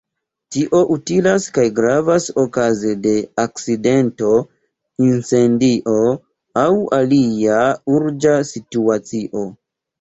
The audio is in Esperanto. Tio utilas kaj gravas okaze de akcidento, incendio aŭ alia urĝa situacio.